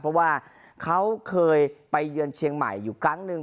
เพราะว่าเขาเคยไปเยือนเชียงใหม่อยู่ครั้งหนึ่ง